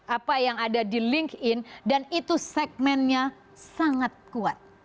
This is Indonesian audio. apa yang ada di linkedin dan itu segmennya sangat kuat